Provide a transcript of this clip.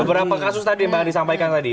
beberapa kasus tadi yang mbak adi sampaikan tadi ya